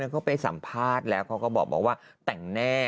แล้วก็ไปสัมภาษณ์แล้วก็บอกบอกว่าแต่งแน่